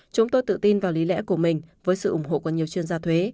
chúng tôi tự tin vào lý lẽ của mình với sự ủng hộ của nhiều chuyên gia thuế